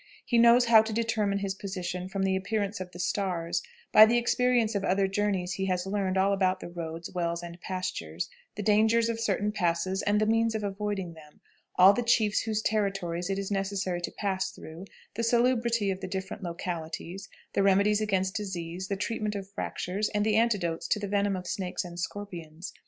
He knows how to determine his position from the appearance of the stars; by the experience of other journeys he has learned all about the roads, wells, and pastures; the dangers of certain passes, and the means of avoiding them; all the chiefs whose territories it is necessary to pass through; the salubrity of the different localities; the remedies against diseases; the treatment of fractures, and the antidotes to the venom of snakes and scorpions.